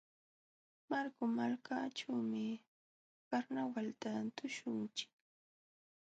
Marku malkaćhuumi karnawalta tuśhunchik.